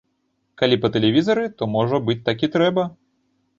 Калі па тэлевізары, то можа быць так і трэба.